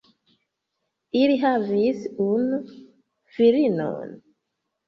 Ili havis unu filinon.